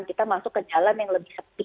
kita masuk ke jalan yang lebih sepi